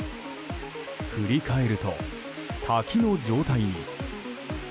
振り返ると滝の状態に。